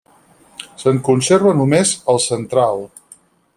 Se'n conserva només el central: